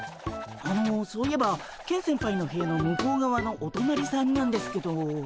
あのそういえばケン先輩の部屋の向こうがわのおとなりさんなんですけど。